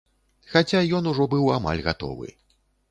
Хаця ён ужо быў амаль гатовы.